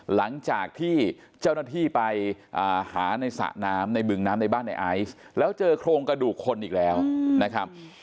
หลังจากที่เจ้าหน้าที่ไปหาในสระน้ำในบึงน้ำในบ้านในไอซ์แล้วเจอโครงกระดูกคนอีกแล้วนะครับ